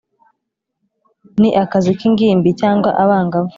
ni akazi kingimbi cyangwa abangavu